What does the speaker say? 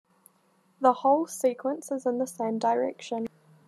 The whole sequence is in the same direction.